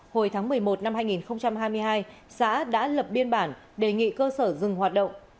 hồi tháng một mươi một năm hai nghìn hai mươi hai xã đã lập biên bản đề nghị cơ sở dừng hoạt động